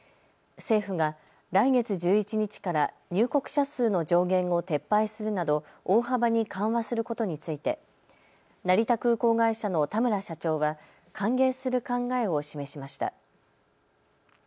政府が来月１１日から入国者数の上限を撤廃するなど大幅に緩和することについて成田空港会社の田村社長は歓迎する考えを示しました。